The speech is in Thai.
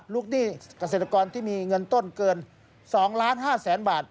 หนี้เกษตรกรที่มีเงินต้นเกิน๒๕๐๐๐๐บาท